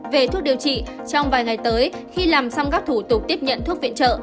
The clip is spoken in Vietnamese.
về thuốc điều trị trong vài ngày tới khi làm xong các thủ tục tiếp nhận thuốc viện trợ